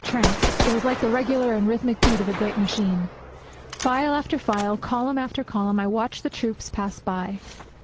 tramp! It was like the regular and rhythmic beat of a great machine. File after file, column after column, I watched the troops pass by.